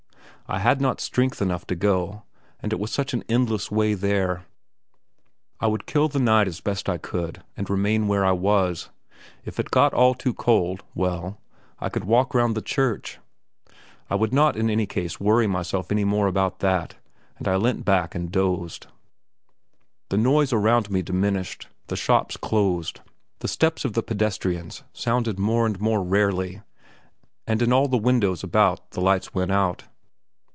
I had not strength enough to go, and it was such an endless way there. I would kill the night as best I could, and remain where I was; if it got all too cold, well, I could walk round the church. I would not in any case worry myself any more about that, and I leant back and dozed. The noise around me diminished; the shops closed. The steps of the pedestrians sounded more and more rarely, and in all the windows about the lights went out.